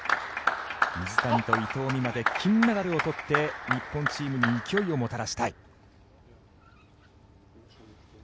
水谷と伊藤美誠で金メダルを取って、日本チームに勢いをもたらしたい。